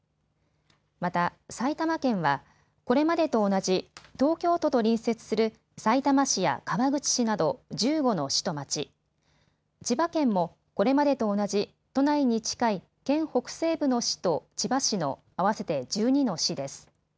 また埼玉県はこれまでと同じ東京都と隣接するさいたま市や川口市など１５の市と町、千葉県もこれまでと同じ都内に近い県北西部の市と千葉市の合わせて１２の市です。